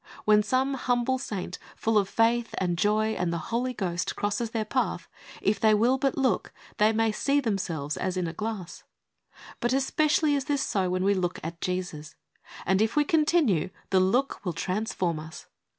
When some humble saint, full of faith and joy and the Holy Ghost, crosses their path, if they will but look, they may see themselves as in a glass. But especially is this so when we look at Jesus; and if we continue, the look will transform us.